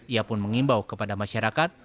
ia pun mengimbau kepada masyarakat